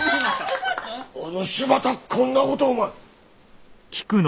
おぬしまたこんなことをお前！